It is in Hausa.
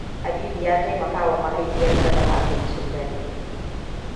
Habibu ya taimakawa mahaifiyarsa dafa abincin dare.